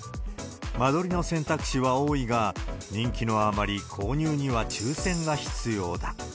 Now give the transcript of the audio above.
間取りの選択肢は多いが、人気のあまり購入には抽せんが必要だ。